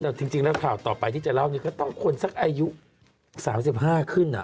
แล้วถึงจริงข้าวต่อไปที่จะเล่าต้องคนสักอายุ๓๕ขึ้น